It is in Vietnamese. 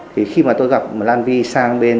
thì khi mà tôi gặp lan vy sang bên